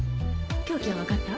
凶器はわかった？